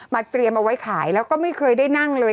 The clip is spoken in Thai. เตรียมเอาไว้ขายแล้วก็ไม่เคยได้นั่งเลย